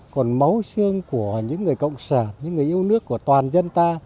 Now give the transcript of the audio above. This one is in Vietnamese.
còn máu xương của những người cộng sản những người yêu nước của toàn dân ta